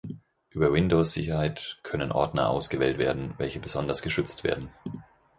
Über Windows-Sicherheit können Ordner ausgewählt werden, welche besonders geschützt werden.